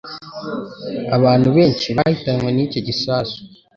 Abantu benshi bahitanywe nicyo gisasu.